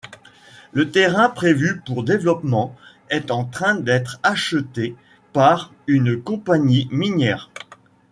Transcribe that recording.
Le terrain prévu pour développement est en train d'être achetée par une compagnie minière.